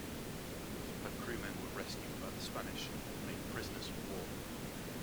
Her crewmen were rescued by the Spanish and made prisoners-of-war.